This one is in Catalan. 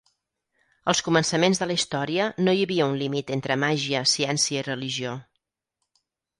Als començaments de la història no hi havia un límit entre màgia, ciència i religió.